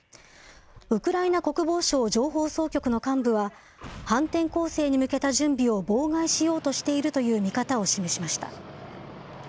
ウクライナ国防省情報総局の幹部は、反転攻勢に向けた準備を妨害しようとしているという見方を示しました。